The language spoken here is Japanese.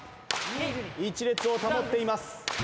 １列を保っています。